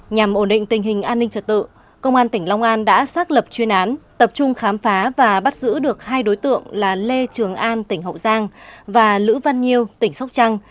nhằm ổn định tình hình an ninh trật tự công an tỉnh long an đã xác lập chuyên án tập trung khám phá và bắt giữ được hai đối tượng là lê trường an tỉnh hậu giang và lữ văn nhiêu tỉnh sóc trăng